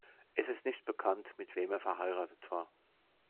Es ist nicht bekannt, mit wem er verheiratet war.